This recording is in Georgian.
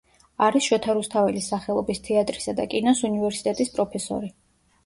არის შოთა რუსთაველის სახელობის თეატრისა და კინოს უნივერსიტეტის პროფესორი.